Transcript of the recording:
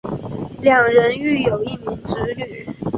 两人育有一名子女。